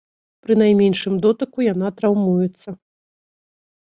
Пры найменшым дотыку яна траўмуецца.